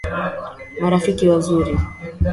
Marafiki wazuri